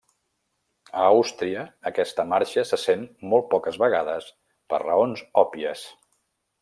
A Àustria, aquesta marxa se sent molt poques vegades, per raons òbvies.